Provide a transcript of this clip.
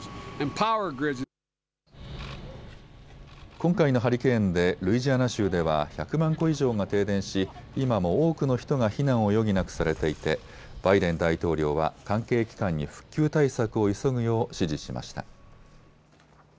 今回のハリケーンでルイジアナ州では１００万戸以上が停電し今も多くの人が避難を余儀なくされていてバイデン大統領は関係機関に復旧対策を急ぐよう指示しました。